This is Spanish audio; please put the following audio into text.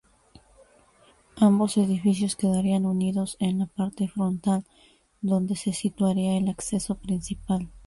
Ambos edificios quedarían unidos en la parte frontal, donde se situaría el acceso principal.